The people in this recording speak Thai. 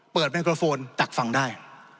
ไมโครโฟนตักฟังได้